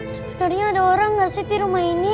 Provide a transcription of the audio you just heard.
sebetulnya ada orang gak sih di rumah ini